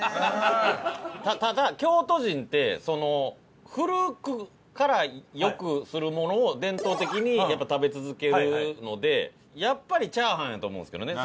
ただ京都人ってその古くからよくするものを伝統的にやっぱ食べ続けるのでやっぱり炒飯やと思うんですけどね。